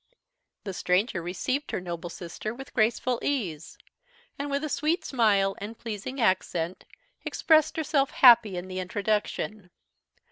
The stranger received her noble sister with graceful ease; and, with a sweet smile and pleasing accent, expressed herself happy in the introduction.